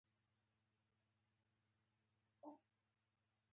ښار داسې ښکارېده.